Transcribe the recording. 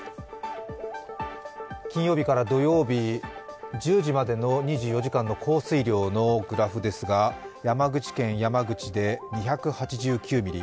金曜日から土曜日１０時までの２４時間の降水量のグラフですが山口県山口で２８９ミリ